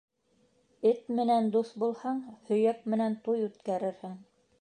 Эт менән дуҫ булһаң, һөйәк менән туй үткәрерһең.